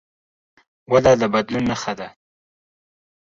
وده د بدلون نښه ده.